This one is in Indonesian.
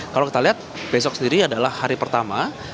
kalau kita lihat besok sendiri adalah hari pertama